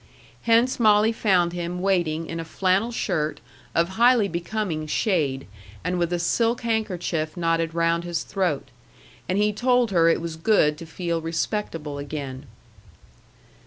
Hence Molly found him waiting in a flannel shirt of highly becoming shade, and with a silk handkerchief knotted round his throat; and he told her it was good to feel respectable again.